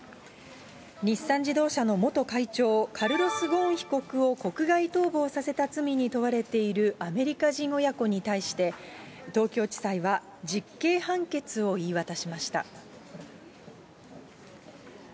日産自動車の元会長、カルロス・ゴーン被告を国外逃亡させた罪に問われているアメリカ人親子に対して、東京地裁は実刑判決を言い渡しました。